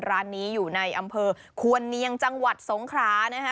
ร้านนี้อยู่ในอำเภอควรเนียงจังหวัดสงครานะคะ